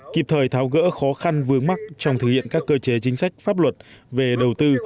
kịp thời tháo gỡ khó khăn vướng mắt trong thực hiện các cơ chế chính sách pháp luật về đầu tư